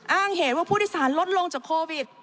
อ้างเหตุว่าผู้โดยสารลดลงจากโควิด